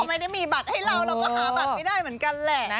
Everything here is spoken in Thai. ไม่ได้มีบัตรให้เราเราก็หาบัตรไม่ได้เหมือนกันแหละ